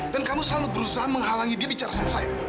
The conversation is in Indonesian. dan kamu selalu berusaha menghalangi dia bicara sama saya